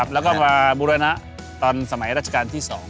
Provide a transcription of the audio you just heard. แล้วก็มาบูรณะตอนสมัยราชการที่๒